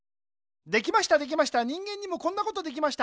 できましたできました人間にもこんなことできました。